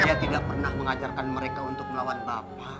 dia tidak pernah mengajarkan mereka untuk melawan bapak